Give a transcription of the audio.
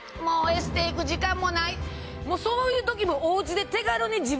そういう時も。